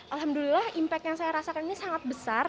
alhamdulillah impact yang saya rasakan ini sangat besar